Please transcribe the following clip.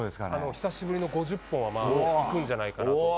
久しぶりの５０本はいくんじゃないかなと。